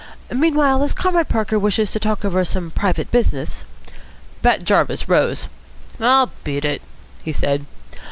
Meanwhile, as Comrade Parker wishes to talk over some private business " Bat Jarvis rose. "I'll beat it," he said.